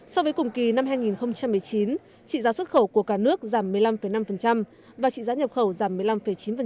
so với cùng kỳ năm hai nghìn một mươi chín trị giá xuất khẩu của cả nước giảm một mươi năm năm và trị giá nhập khẩu giảm một mươi năm chín